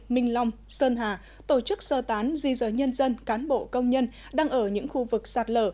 minh long sơn hà tổ chức sơ tán di dời nhân dân cán bộ công nhân đang ở những khu vực sạt lở